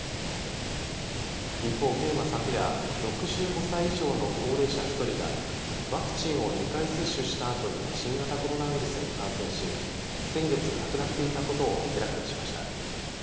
一方、県は昨夜６５歳以上の高齢者１人がワクチンを２回接種したあとに新型コロナウイルスに感染し先月、亡くなっていたことを明らかにしました。